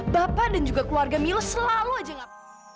bapak dan juga keluarga mil selalu aja gak